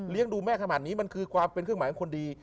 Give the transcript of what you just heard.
เลี้ยงดูแม่ขนาดนี้มันเป็นเครื่องหมายของคนดี